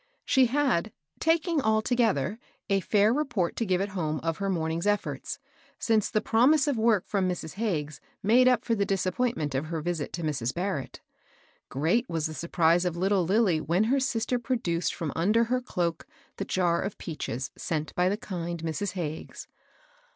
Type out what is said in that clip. She had, taking all together, a fair report to give at home of her morning's eflforts, since the promise of work from Mrs. Hagges made up for the disappointment of her visit to Mrs. Barrett. Great was the surprise of little Lilly when her sis ter produced from under her cloak the jar of peaches sent by the kind Mrs. Hagges.